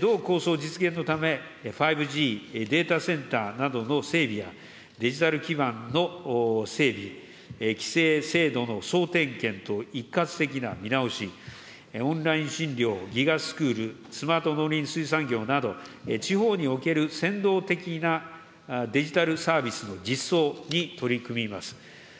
同構想実現のため、５Ｇ、データセンターなどの整備や、デジタル基盤の整備、規制制度の総点検と一括的な見直し、オンライン診療、ＧＩＧＡスクール、スマート農林水産業など、地方における先導的なデジタルサービスの実装に取り組みます。